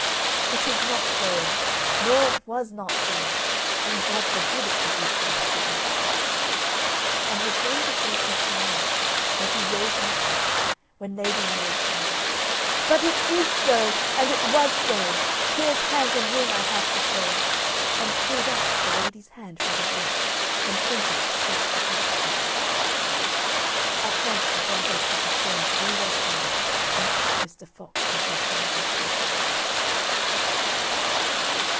"It is not so, nor it was not so. And God forbid it should be so," said Mr. Fox, and was going to say something else as he rose from his seat, when Lady Mary cried out: "But it is so, and it was so. Here's hand and ring I have to show," and pulled out the lady's hand from her dress, and pointed it straight at Mr. Fox. At once her brothers and her friends drew their swords and cut Mr. Fox into a thousand pieces.